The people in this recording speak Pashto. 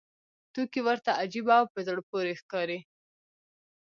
توکي ورته عجیبه او په زړه پورې ښکاري